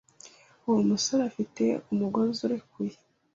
Uwo musore afite umugozi urekuye!